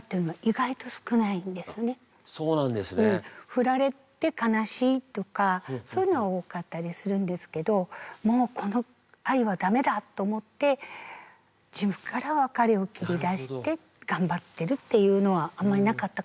振られて悲しいとかそういうのは多かったりするんですけどもうこの愛はダメだと思って自分から別れを切り出して頑張ってるっていうのはあんまりなかったかもしれないですね。